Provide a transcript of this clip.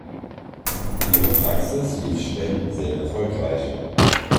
Ihre Praxis lief schnell sehr erfolgreich.